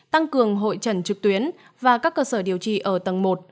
tăng cường hội trần trực tuyến và các cơ sở điều trị ở tầng một